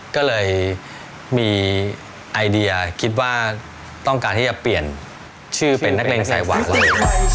ก็เลยมีไอเดียคิดว่าต้องการที่จะเปลี่ยนชื่อเป็นนักเลงใส่หวานเรา